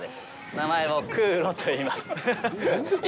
名前を「クーロ」といいます。